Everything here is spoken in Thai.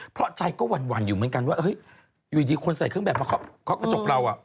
เพราะใจก็หวั่นอยู่เหมือนกันว่าเฮ้ยอยู่ดีคนใส่เครื่องแบบมาเคาะกระจกเรา